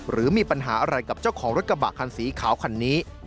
หรือมีปัญหาอะไรกับเจ้าของรถกระบะคันสีขาวคันนี้